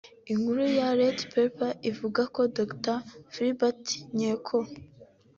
Inkuru ya Redpepper ivuga ko Dr Filbert Nyeko